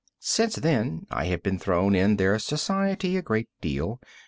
Since then I have been thrown in their society a great deal.